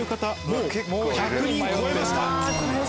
もう１００人超えました。